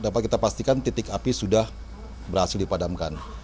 dapat kita pastikan titik api sudah berhasil dipadamkan